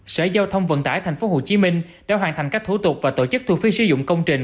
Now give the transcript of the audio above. sở giao thông vận tải tp hcm đã hoàn thành các thủ tục và tổ chức thu phí sử dụng công trình